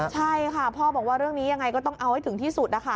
ใช่ค่ะพ่อบอกว่าเรื่องนี้ยังไงก็ต้องเอาให้ถึงที่สุดนะคะ